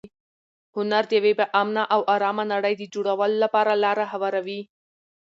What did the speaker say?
هنر د یوې با امنه او ارامه نړۍ د جوړولو لپاره لاره هواروي.